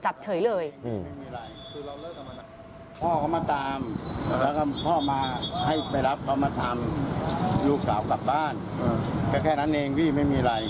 ชอยเฉยเลย